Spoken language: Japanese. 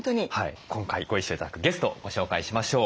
今回ご一緒頂くゲストご紹介しましょう。